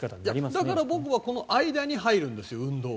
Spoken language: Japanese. だから僕はこの間に入るんですよ、運動が。